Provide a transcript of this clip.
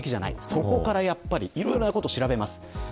そこからいろいろなことを調べます。